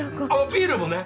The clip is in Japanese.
ビールもね。